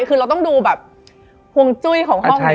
คือเราต้องดูแบบห่วงจุ้ยของห้องนี้